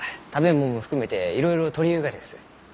もんも含めていろいろ採りゆうがです。